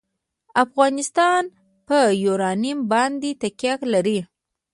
افغانستان په یورانیم باندې تکیه لري.